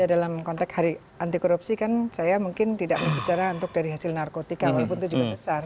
ya dalam konteks hari anti korupsi kan saya mungkin tidak berbicara untuk dari hasil narkotika walaupun itu juga besar